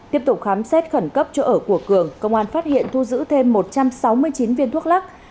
tiếp tục khám xét khẩn cấp chỗ ở của cường công an phát hiện thu giữ thêm một trăm sáu mươi chín viên thuốc lắc